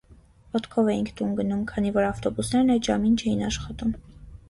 Ոտքով էինք տուն գնում, քանի որ ավտոբուսներն այդ ժամին չէին աշխատում։